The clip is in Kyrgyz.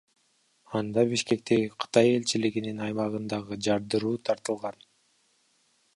Анда Бишкектеги Кытай элчилигинин аймагындагы жардыруу тартылган.